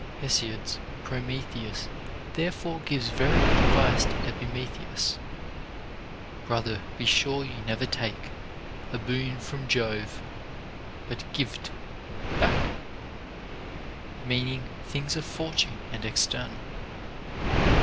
Hesiod's Prometheus therefore gives very good advice to Epime theus : Brother, be sure you never take A boon from Jove, but giv't him back, * meaning things of Fortune and external.